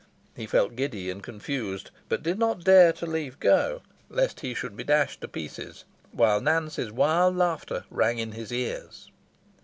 He felt giddy and confused, but did not dare to leave go, lest he should be dashed in pieces, while Nance's wild laughter rang in his ears.